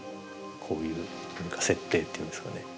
こういう設定っていうんですかね。